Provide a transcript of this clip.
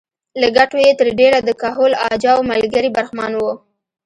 له ګټو یې تر ډېره د کهول اجاو ملګري برخمن وو.